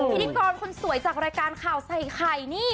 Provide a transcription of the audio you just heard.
พิธีกรคนสวยจากรายการข่าวใส่ไข่นี่